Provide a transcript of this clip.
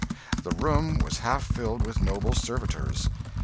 The room was half filled with noble servitors.